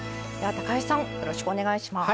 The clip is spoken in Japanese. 橋さんよろしくお願いします。